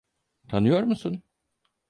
Tanıyor musun?